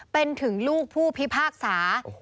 เป็นถึงลูกผู้พิพากษา